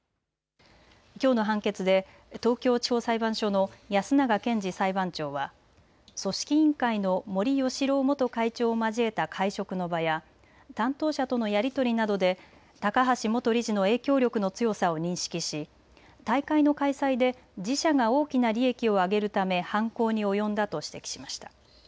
きょうの判決で東京地方裁判所の安永健次裁判長は組織委員会の森喜朗元会長を交えた会食の場や担当者とのやり取りなどで高橋元理事の影響力の強さを認識し大会の開催で自社が大きな利益を上げるため犯行に及んだと指摘しました。